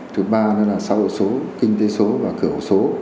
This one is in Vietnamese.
thứ ba là xã hội số kinh tế số và cửa hộ số